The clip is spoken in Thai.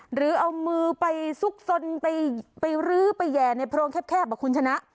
หรือเอามือไปซุกซนไปรื้อไปแห่ในโพรงแคบคุณชนะ